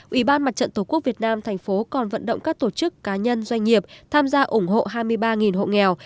ủy ban mặt trận tổ quốc việt nam thành phố còn vận động các tổ chức cá nhân doanh nghiệp tham gia ủng hộ hai mươi ba hộ nghèo